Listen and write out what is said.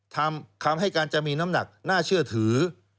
คำให้การจะมีน้ำหนักน่าเชื่อถือ